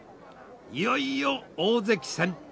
いよいよ大関戦！